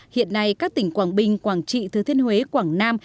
hiện nay các tỉnh quảng bình quảng trị thứ thiên huế quảng nam